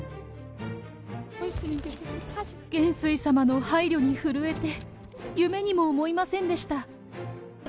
元帥様の配慮に触れて、夢にも思いませんでした。